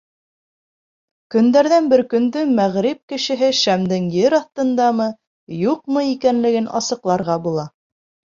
Көндәрҙән бер көндө мәғриб кешеһе шәмдең ер аҫтындамы, юҡмы икәнлеген асыҡларға була.